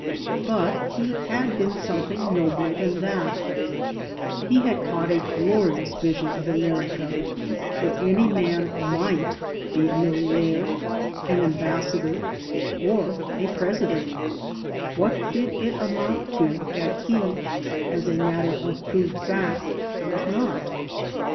But he had *| been something nobler than that; he had caught a glorious vision of America where any man mighi be a milKonau^, an ambassador, or a President— what did it amount to that he, as a matter of crude fact, was not?